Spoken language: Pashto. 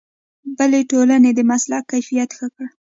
بلې ټولنې د مسلک کیفیت ښه کړ.